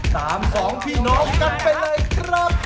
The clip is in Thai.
สองพี่น้องกันไปเลยครับ